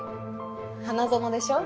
花園でしょ？